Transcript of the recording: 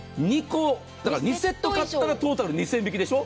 ２セット買ったらトータル２０００円引きでしょ？